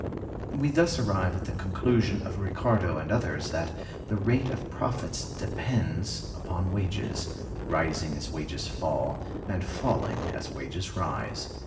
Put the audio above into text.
We thus arrive at the conclusion of Ricardo and others, that the rate of profits depends upon wages; rising as wages fall, and falling as wages rise.